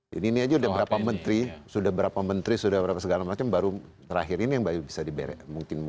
jadi ini aja sudah berapa menteri sudah berapa segala macam baru terakhir ini yang bisa diberi